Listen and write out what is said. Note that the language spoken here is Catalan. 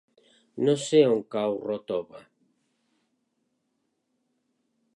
No sé on cau Ròtova.